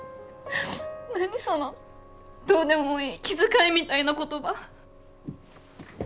何そのどうでもいい気遣いみたいな言葉。